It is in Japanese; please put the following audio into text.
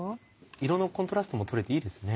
色のコントラストも取れていいですね。